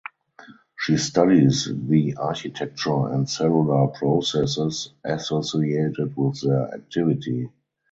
She studies the architecture and cellular processes associated with their activity.